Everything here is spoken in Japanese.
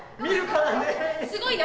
すごいな。